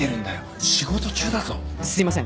すいません。